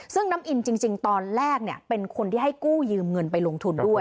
ซึ่งน้ำอินจริงตอนแรกเป็นคนที่ให้กู้ยืมเงินไปลงทุนด้วย